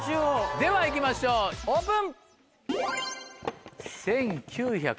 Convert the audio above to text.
では行きましょうオープン。